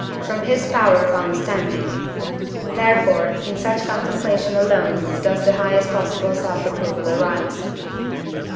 from his power of understanding; therefore in such contemplation alone does the highest possible self approval arise.